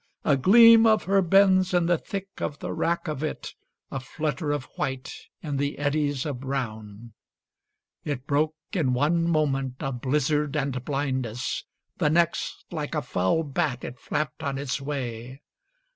A gleam of her bends in the thick of the wrack of it, A flutter of white in the eddies of brown. It broke in one moment of blizzard and blindness; The next, like a foul bat, it flapped on its way.